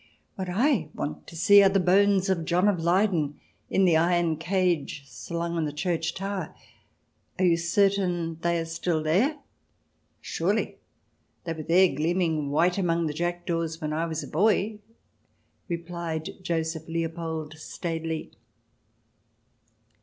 " What I want to see are the bones of John of Leyden in the iron cage slung on to the church tower. You are certain they are still there ?"" Surely ! They were there, gleaming white among the jackdaws, when I was a boy," replied Joseph Leopold staidly.